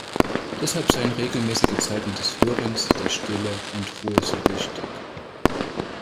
Deshalb seien regelmäßige Zeiten des Hörens, der Stille und Ruhe so wichtig.